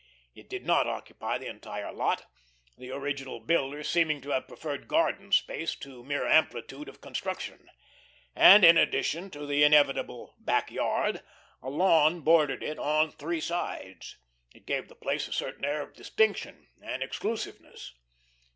It did not occupy the entire lot, the original builder seeming to have preferred garden space to mere amplitude of construction, and in addition to the inevitable "back yard," a lawn bordered it on three sides. It gave the place a certain air of distinction and exclusiveness.